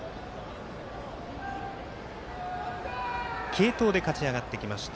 継投で勝ち上がってきました。